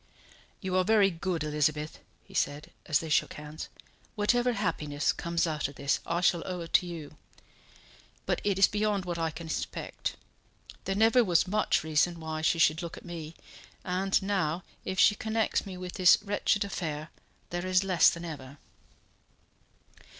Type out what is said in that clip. "You are very good, Elizabeth," he said, as they shook hands. "Whatever happiness comes out of this I shall owe to you. But it is beyond what I can expect. There never was much reason why she should look at me, and now, if she connects me with this wretched affair, there is less than ever."